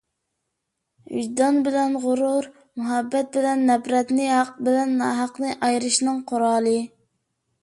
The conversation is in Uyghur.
ۋىجدان بىلەن غۇرۇر، مۇھەببەت بىلەن نەپرەتنى، ھەق بىلەن ناھەقنى ئايرىشنىڭ قورالى.